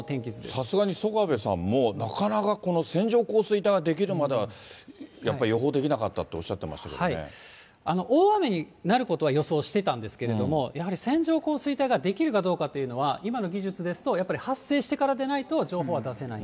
さすがに宗我部さんも、なかなかこの線状降水帯が出来るまではやっぱり予想できなかった大雨になることは予想してたんですけれども、やはり線状降水帯が出来るかどうかっていうのは今の技術ですと、やっぱり発生してから出ないと、情報は出せない。